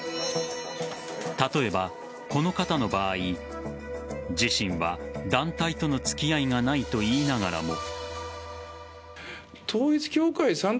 例えば、この方の場合自身は団体との付き合いがないと言いながらも。